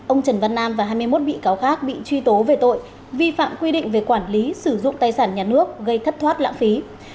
ông trần văn nam và hai mươi một bị cáo khác bị truy tố về tội vi phạm quy định về quản lý sử dụng tài sản nhà nước gây thất thoát lãng phí